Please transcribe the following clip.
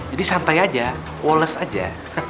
jadi santai aja walas aja